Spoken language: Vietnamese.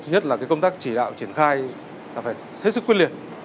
nhất là công tác chỉ đạo triển khai là phải hết sức quyết liệt